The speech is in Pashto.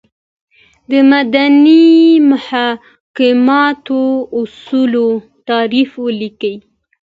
دمدني محاکماتو اصولو تعریف ولیکئ ؟